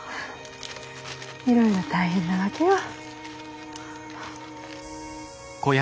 いろいろ大変なわけよ。